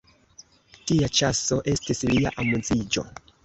Tia ĉaso estis lia amuziĝo.